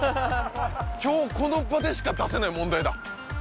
今日この場でしか出せない問題だ